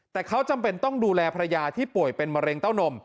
แต่เขาจำเป็นต้องดูแลภรรยาที่ป่วยเป็นมะเร็งเต้านม